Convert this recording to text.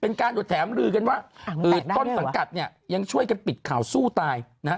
เป็นการดูดแถมลือกันว่าอ่ามันแตกได้บ้างต้นสังกัดเนี้ยยังช่วยกันปิดข่าวสู้ตายนะฮะ